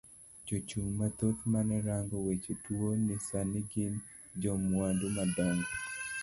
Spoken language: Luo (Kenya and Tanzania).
Jo chung mathoth mane rango weche tuo ni sani gin jomwandu madongo.